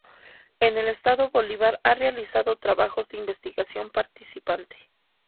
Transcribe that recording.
En el Estado Bolívar ha realizado trabajos de investigación participante.